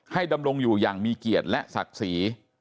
ดำรงอยู่อย่างมีเกียรติและศักดิ์ศรี